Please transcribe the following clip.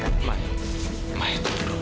mai mai tunggu mai